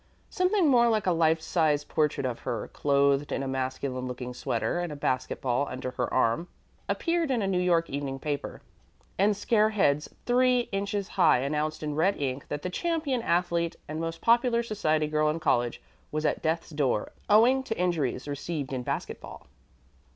Something more than a life size portrait of her, clothed in a masculine looking sweater, with a basket ball under her arm, appeared in a New York evening paper, and scare heads three inches high announced in red ink that the champion athlete and most popular society girl in college was at death's door, owing to injuries received in basket ball.